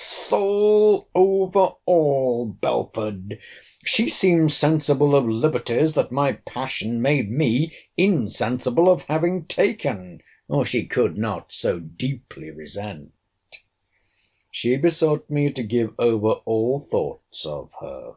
Soul over all, Belford! She seems sensible of liberties that my passion made me insensible of having taken, or she could not so deeply resent. She besought me to give over all thoughts of her.